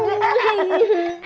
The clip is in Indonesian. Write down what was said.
gak ada lah